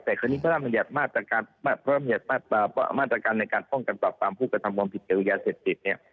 แต่คราวนี้พระราชบัญญัติมาตรการในการป้องกันปรับปรามผู้กระทำความผิดเกี่ยวกับยาเสพติดเนี่ย